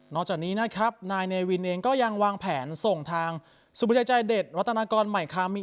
จากนี้นะครับนายเนวินเองก็ยังวางแผนส่งทางสุประชัยใจเด็ดวัตนากรใหม่คามี